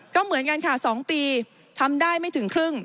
ก็เหมือนกันค่ะ๒ปีทำได้ไม่ถึงครึ่ง